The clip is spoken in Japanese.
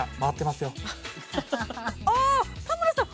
ああっ田村さん！